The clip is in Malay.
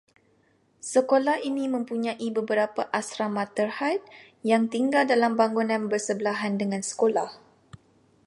Sekolah ini mempunyai beberapa asrama terhad, yang tinggal dalam bangunan bersebelahan dengan sekolah